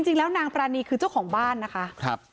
จริงแล้วนางปรานีคือเจ้าของบ้านนะคะ